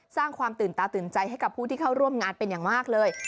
สร้างความตื่นตาตื่นใจให้กับผู้ที่เข้าร่วมงานเป็นอย่างมากเลย